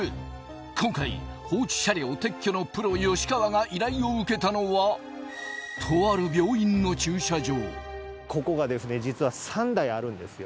今回放置車両撤去のプロ吉川が依頼を受けたのはとあるここがですね実は３台あるんですよ